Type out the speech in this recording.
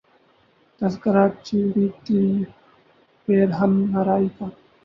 تذکرہ چھیڑے تری پیرہن آرائی کا